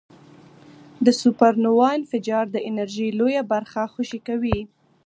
د سوپرنووا انفجار د انرژۍ لویه برخه خوشې کوي.